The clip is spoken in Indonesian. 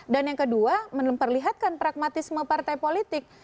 dan yang kedua memperlihatkan pragmatisme partai politik